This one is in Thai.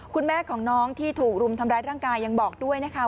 คุณแม่ของน้องที่ถูกรุมทำร้ายร่างกายยังบอกด้วยนะคะ